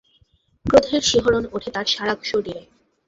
ক্রোধের শিহরণ ওঠে তার সারা শরীরে।